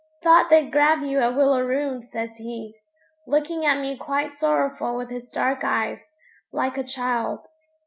'Thought they'd grab you at Willaroon,' says he, looking at me quite sorrowful with his dark eyes, like a child.